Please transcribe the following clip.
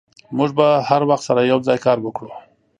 موږ به هر وخت سره یوځای کار وکړو.